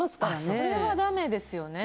それはだめですよね。